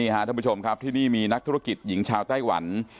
ท่านผู้ชมครับที่นี่มีนักธุรกิจหญิงชาวไต้หวัน